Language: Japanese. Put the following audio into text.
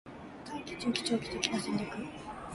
③ 短期、中期、長期的な戦略を兼ね備えている